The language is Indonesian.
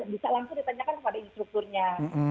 bisa langsung ditanyakan kepada instrukturnya